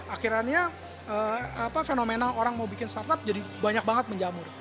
akhirnya fenomena orang mau bikin startup jadi banyak banget menjamur